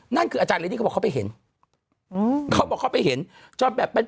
นั่นคืออาจารย์เรนนี่เขาบอกเขาไปเห็น